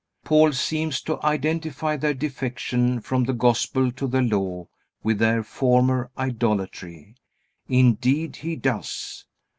Paul seems to identify their defection from the Gospel to the Law with their former idolatry. Indeed he does.